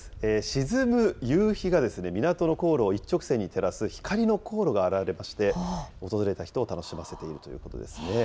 沈む夕日が港の航路を一直線に照らす光の航路が現れまして、訪れた人を楽しませているということですね。